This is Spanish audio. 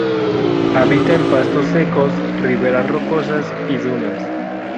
Habita en pastos secos, riberas rocosas y dunas.